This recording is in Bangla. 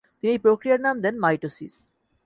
তিনি এই প্রক্রিয়ার নাম দেন মাইটোসিস।